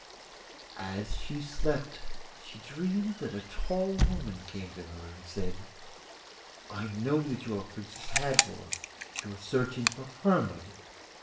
As she slept she dreamed that a tall woman came to her and said, 'I know that you are Princess Hadvor, and are searching for Hermod.